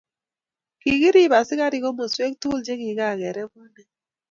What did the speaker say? kikiriib askarik komoswek tugul chekikareb bunik